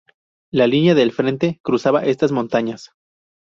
La línea del frente cruzaba estas montañas.